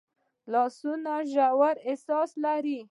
لاسونه ژور احساس لري